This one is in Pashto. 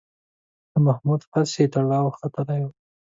د محمود هسې ټرار ختلی و